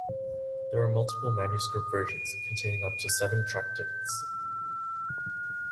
There are multiple manuscript versions, containing up to seven tractates.